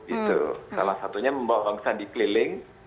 itu salah satunya membawa bang sandi keliling